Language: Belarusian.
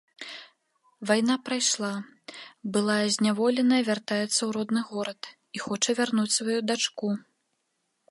Вайна прайшла, былая зняволеная вяртаецца ў родны горад і хоча вярнуць сваю дачку.